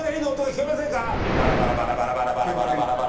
バラバラバラバラバラバラバラバラ。